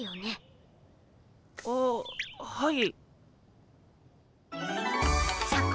あっはい。